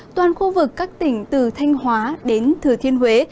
toàn khu vực các tỉnh từ thanh hóa đến thừa thiên huế